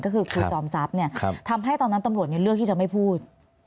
ก็คือครูจอมทรัพย์เนี่ยทำให้ตอนนั้นตำรวจเลือกที่จะไม่พูด